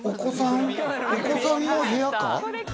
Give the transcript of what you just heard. お子さんの部屋か。